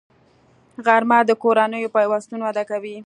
غرمه د کورنیو پیوستون وده کوي